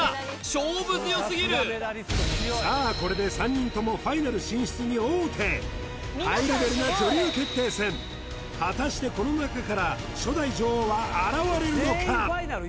勝負強すぎるさあこれで３人ともハイレベルな女流決定戦果たしてこの中から初代女王は現れるのか？